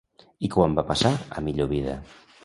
I quan va passar a millor vida?